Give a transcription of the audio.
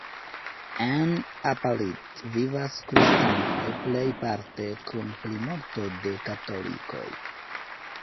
En Apalit vivas kristanoj plejparte kun plimulto de katolikoj.